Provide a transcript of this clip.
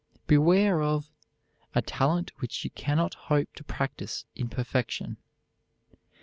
Beware of "a talent which you cannot hope to practice in perfection."